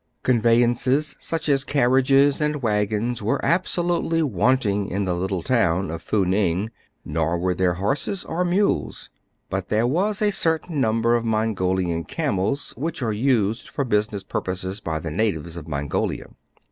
Conveyances, such as carriages and wagons, were absolutely wanting in the little town of Fou Ning, nor were there horses or mules ; but there was a certain number of Mongolian camels, which are used for business purposes by the natives of Mongolia.